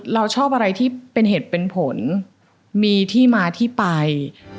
เราชอบอะไรที่เป็นเหตุเป็นผลมีที่มาที่ไป